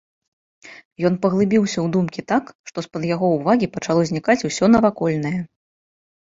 Ён паглыбіўся ў думкі так, што з-пад яго ўвагі пачало знікаць усё навакольнае.